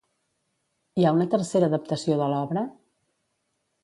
Hi ha una tercera adaptació de l'obra?